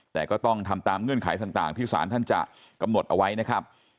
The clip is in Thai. แต่ก็ต้องทำตามเงื่อนไขต่างที่สารท่านจะกำหนดเอาไว้นะครับ